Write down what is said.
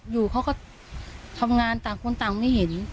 อยู่เขาก็ทำงานต่างคนต่างไม่เห็น